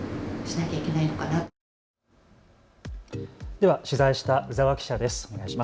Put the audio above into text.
では取材した鵜澤記者です。